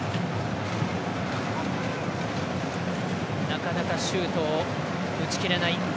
なかなかシュートを打ちきれない。